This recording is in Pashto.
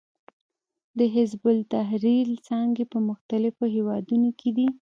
د حزب التحریر څانګې په مختلفو هېوادونو کې دي.